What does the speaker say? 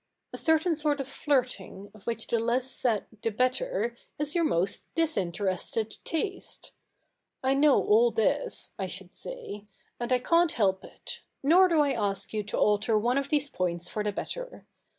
A certain sort of flirting, of which the less said the better, is your most disinterested taste. I know all this (I should say), and I can't help it ; nor do I ask you to alter one of these points for the better.